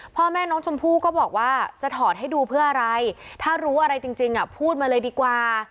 พ่อแม่น้องชมพู่ก็บอกว่าจะถอดให้ดูเพื่ออะไรถ้ารู้อะไรจริงพูดมาเลยดีกว่า